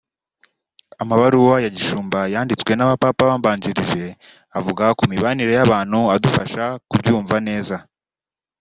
Amabaruwa ya Gishumba yanditswe n’abapapa bambanjirije avuga ku mibanire y’abantu adufasha kubyumva neza